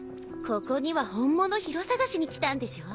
ここには本物ヒロ捜しに来たんでしょ？